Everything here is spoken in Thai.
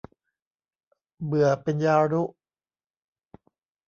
เบื่อเป็นยารุ